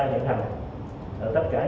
tất cả những giấy chứng nhận